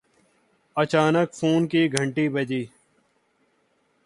اچانک فون کی گھنٹی بجی